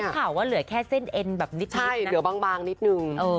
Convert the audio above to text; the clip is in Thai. ข่าวว่าเหลือแค่เส้นเอ็นแบบนิดเหลือบางนิดนึง